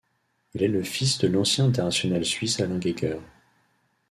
Il est le fils de l'ancien international suisse Alain Geiger.